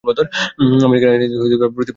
American এজেন্টদের প্রতি allergy আছে।